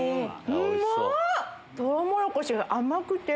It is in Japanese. トウモロコシが甘くて。